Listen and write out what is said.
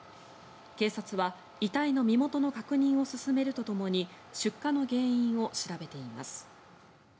警察は遺体の身元の確認を進めるとともに出火の原因を調べています。